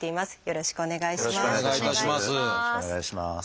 よろしくお願いします。